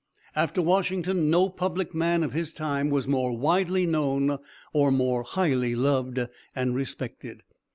After Washington, no public man of his time was more widely known or more highly loved and respected.